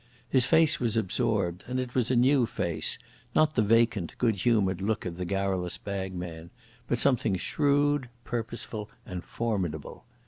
His face was absorbed, and it was a new face, not the vacant, good humoured look of the garrulous bagman, but something shrewd, purposeful, and formidable.